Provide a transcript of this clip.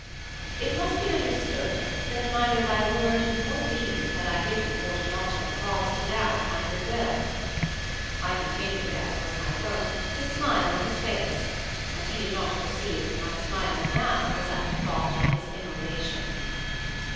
It must be understood, that neither by word nor deed had I given Fortunato cause to doubt my good will. I continued, as was my wont, to smile in his face, and he did not perceive that my smile now was at the thought of his immolation.